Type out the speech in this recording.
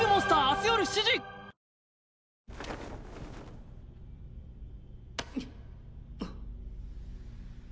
あっ。